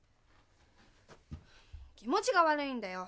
気持ちが悪いんだよ